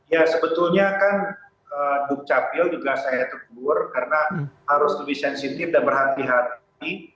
ya sebetulnya kan dukcapil juga saya tegur karena harus lebih sensitif dan berhati hati